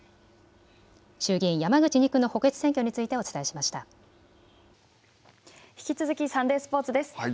衆議院山口２区の補欠選挙につい引き続きサンデースポーツです。